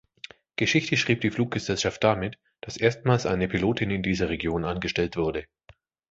Geschichte schrieb die Fluggesellschaft damit, dass erstmals eine Pilotin in dieser Region angestellt wurde.